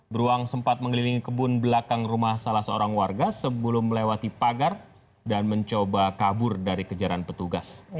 beruang sempat mengelilingi kebun belakang rumah salah seorang warga sebelum melewati pagar dan mencoba kabur dari kejaran petugas